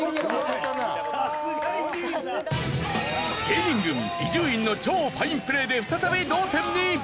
芸人軍伊集院の超ファインプレーで再び同点に！